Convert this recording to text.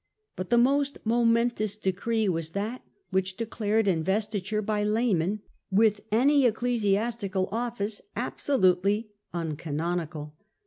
But the most momentous decree was that which declared investiture by laymen with any ec clesiastical office absolutely uncanonical.